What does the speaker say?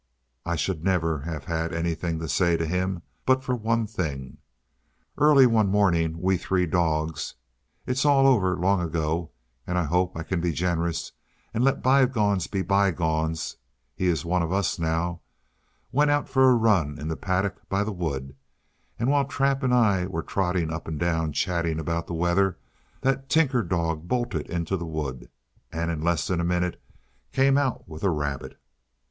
I should never have had anything to say to him but for one thing. Early one morning we three dogs it's all over long ago, and I hope I can be generous and let bygones be bygones; he is one of us now went out for a run in the paddock by the wood, and while Trap and I were trotting up and down chatting about the weather, that Tinker dog bolted into the wood, and in less than a minute came out with a rabbit.